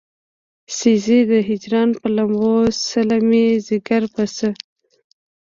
سيزې د هجران پۀ لمبو څله مې ځيګر پۀ څۀ